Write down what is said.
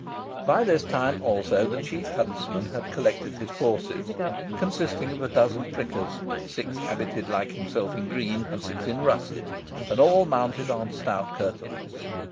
By this time, also, the chief huntsman had collected his forces, consisting of a dozen prickers, six habited like himself in green, and six in russet, and all mounted on stout curtals.